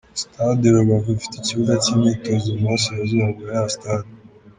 Stade Rubavu ifite ikibuga cy’imyitozo mu burasirazuba bwa ya Stade.